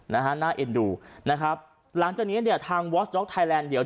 นะฮะน่าเอ็นดูนะครับหลังจากนี้เนี่ยทางวอสด็อกไทยแลนด์เดี๋ยว